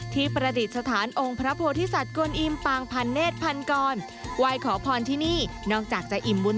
ที่ประดิษฐานองค์พระโพธิสัตว์กลอิมปางพันเนธพันกร